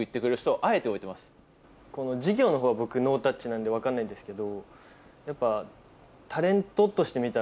事業のほうは僕ノータッチなんで分かんないですけど。